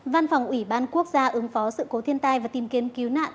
văn phòng ủy ban quốc gia ứng phó sự cố thiên tai và tìm kiếm cứu nạn